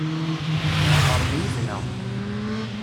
Heḍren yid-neɣ.